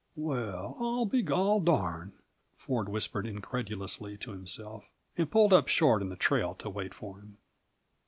"Well, I'll be gol darned!" Ford whispered incredulously to himself, and pulled up short in the trail to wait for him.